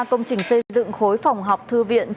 công trình xây dựng khối phòng học thư viện